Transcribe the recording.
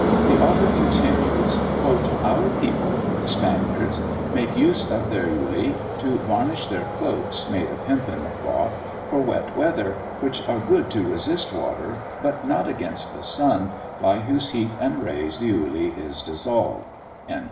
The author continues: "Our people (the Spaniards) make use of their ulli to varnish their cloaks, made of hempen cloth, for wet weather, which are good to resist water, but not against the sun, by whose heat and rays the ulli is dissolved."